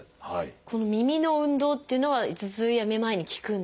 この耳の運動っていうのは頭痛やめまいに効くんですか？